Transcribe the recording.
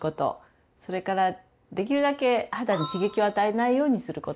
それからできるだけ肌に刺激を与えないようにすること。